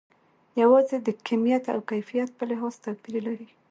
یوازې د کمیت او کیفیت په لحاظ توپیر لري.